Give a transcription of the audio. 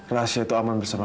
rahasia itu aman bersama